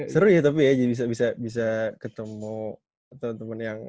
seru ya tapi ya bisa ketemu temen temen yang